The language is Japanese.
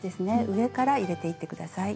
上から入れていって下さい。